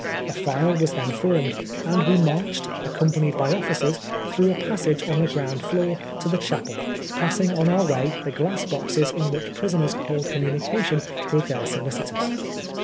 A file was then formed, and we marched, accompanied by officers, through a passage on the ground floor to the chapel, passing on our way the glass boxes in which prisoners hold communication with their solicitors.